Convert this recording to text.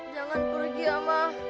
jangan pergi ama